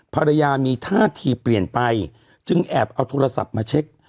ภรรยามีท่าทีเปลี่ยนไปจึงแอบเอาโทรศัพท์มาเช็ค